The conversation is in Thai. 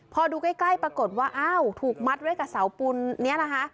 พอดูใกล้ปรากฏว่าอ้าวถูกมัดไว้กับเสาปูนนี้นะคะ